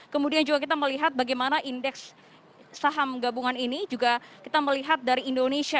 kemudian juga kita melihat bagaimana indeks saham gabungan ini juga kita melihat dari indonesia